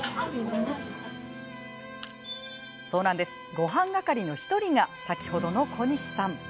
ごはん係の１人が先ほどの小西さん。